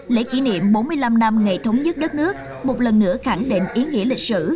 lễ kỷ niệm bốn mươi năm năm ngày thống nhất đất nước một lần nữa khẳng định ý nghĩa lịch sử